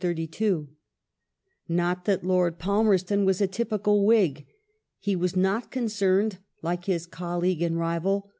His place Not that Lord Palmerston was a typical Whig. He was not poliU^s'^ concerned, like his colleague and rival.